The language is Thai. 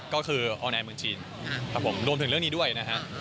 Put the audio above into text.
ก็คือออนแอร์เมืองจีนรวมถึงเรื่องนี้ด้วยนะฮะ